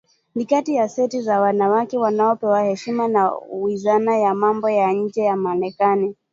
ni kati ya seti za wanawake wanaopewa heshima na Wizara ya Mambo ya Nje ya Marekani